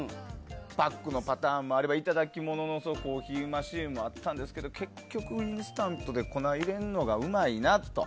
パックのパターンもあればいただき物のコーヒーマシンもあったんですけど結局インスタントで粉いれるのがうまいなと。